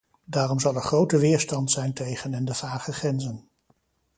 Daarom zal er grote weerstand zijn tegen en de vage grenzen.